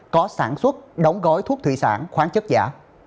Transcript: có sản xuất đóng gói thuốc thủy sản khoáng chất giả